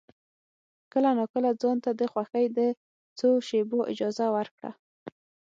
کله ناکله ځان ته د خوښۍ د څو شېبو اجازه ورکړه.